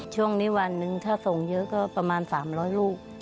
ช่วงนี้วันหนึ่งถ้าส่งเยอะก็ประมาณ๓๐๐ลูก